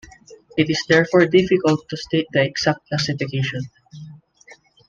It is therefore difficult to state the exact classification.